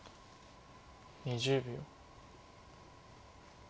２０秒。